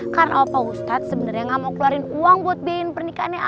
karena opa ustad sebenernya gak mau keluarin uang buat biayain pernikahannya aa brai